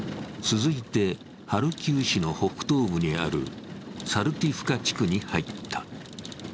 続いて、ハルキウ市の北東部にあるサルティフカ地区に入った。